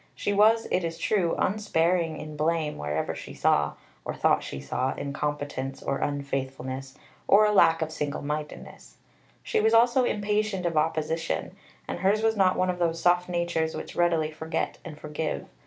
She was, it is true, unsparing in blame wherever she saw, or thought she saw, incompetence, or unfaithfulness, or a lack of single mindedness; she was also impatient of opposition; and hers was not one of those soft natures which readily forget and forgive.